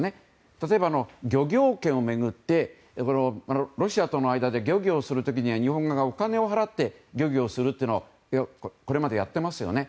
例えば、漁業権を巡ってロシアとの間で漁業をする時には日本がお金を払って漁業をするというのをこれまでやってますよね。